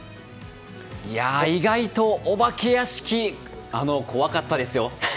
意外とお化け屋敷怖かったですよ。